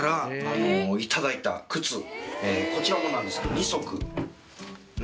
こちらもなんですけど２足。